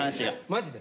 マジで？